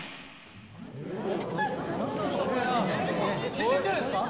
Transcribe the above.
停電じゃないですか？